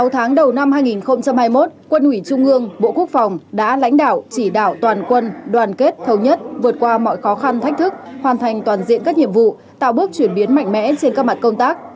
sáu tháng đầu năm hai nghìn hai mươi một quân ủy trung ương bộ quốc phòng đã lãnh đạo chỉ đạo toàn quân đoàn kết thống nhất vượt qua mọi khó khăn thách thức hoàn thành toàn diện các nhiệm vụ tạo bước chuyển biến mạnh mẽ trên các mặt công tác